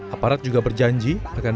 aparat juga berjanji akan mengusutuntas kasus